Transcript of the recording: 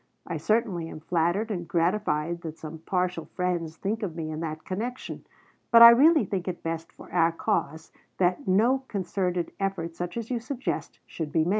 I certainly am flattered and gratified that some partial friends think of me in that connection; but I really think it best for our cause that no concerted effort, such as you suggest, should be made."